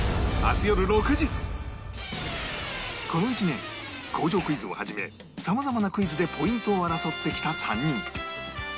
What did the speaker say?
この１年「工場クイズ」を始め様々なクイズでポイントを争ってきた３人